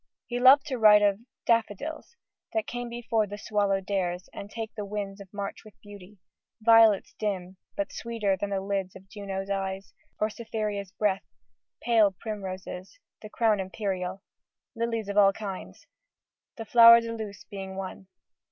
He loved to write of Daffodils, That come before the swallow dares, and take The winds of March with beauty; violets dim, But sweeter than the lids of Juno's eyes, Or Cytherea's breath: pale primroses.... The crown imperial, lilies of all kinds, The flower de luce being one.